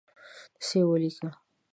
دسي یې ولیکه